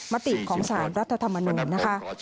มติของสารรัฐธรรมนุน